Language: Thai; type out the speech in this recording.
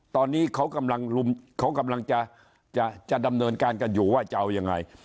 ตอนนี้เขากำลังเขากำลังจะดำเนินการกันอยู่ว่าจะเอายังไง